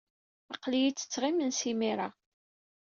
Aql-iyi ttetteɣ imensi imir-a.